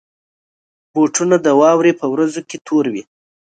بوټونه د واورې پر ورځو کې تور وي.